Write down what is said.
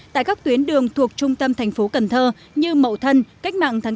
tại các tuyến đường thuộc trung tâm thành phố cần thơ như mậu thân cách mạng tháng tám